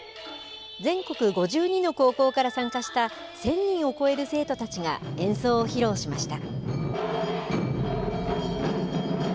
全国５２の高校から参加した１０００人を超える生徒たちが演奏を披露しました。